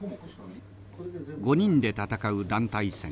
５人で戦う団体戦。